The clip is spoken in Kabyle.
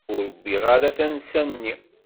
Ur wwiɣ ara tansa-nni.